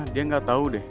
dia nggak tau deh